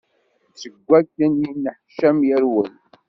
Seg wakken yeneḥcam, yerwel.